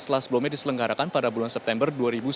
setelah sebelumnya diselenggarakan pada bulan september